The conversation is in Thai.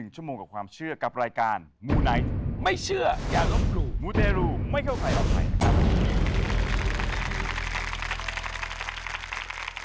ชั่วโมงกับความเชื่อกับรายการมูไนท์ไม่เชื่ออย่าลบหลู่มูเตรูไม่เข้าใครออกใคร